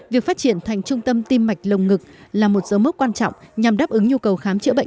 việc phát triển thành trung tâm tim mạch lồng ngực là một dấu mốc quan trọng nhằm đáp ứng nhu cầu khám chữa bệnh